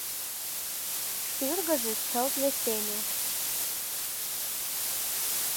Шӱргыжӧ чылт весеме: